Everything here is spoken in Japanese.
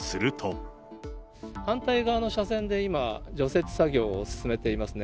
反対側の車線で今、除雪作業を進めていますね。